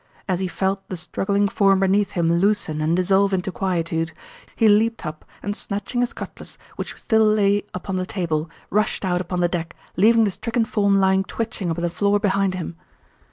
As he felt the struggling form beneath him loosen and dissolve into quietude, he leaped up, and snatching his cutlass, which still lay upon the table, rushed out upon the deck, leaving the stricken form lying twitching upon the floor behind him.